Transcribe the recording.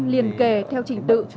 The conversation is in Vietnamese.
liên kề theo trình tự